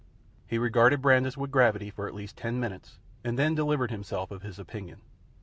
He regarded Brandis with gravity for at least ten minutes, and then delivered himself of his opinion.